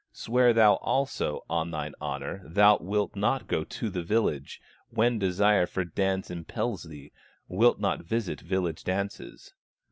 Swear thou also on thine honor, Thou wilt go not to the village, When desire for dance impels thee, Wilt not visit village dances."